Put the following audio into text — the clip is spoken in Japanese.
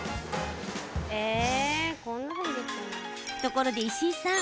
ところで石井さん。